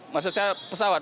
maksud saya pesawat